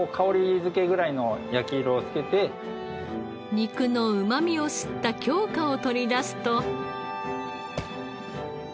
肉のうまみを吸った京香を取り出すと。